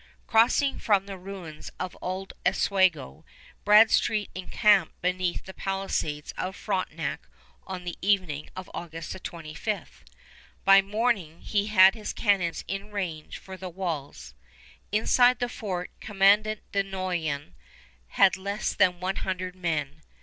Crossing from the ruins of old Oswego, Bradstreet encamped beneath the palisades of Frontenac on the evening of August 25. By morning he had his cannon in range for the walls. Inside the fort Commandant de Noyan had less than one hundred men.